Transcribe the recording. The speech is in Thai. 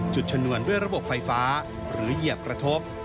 ชนวนด้วยระบบไฟฟ้าหรือเหยียบกระทบ